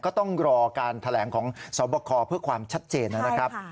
ก็ต้องรอการแถลงของสวบคเพื่อความชัดเจนนะครับ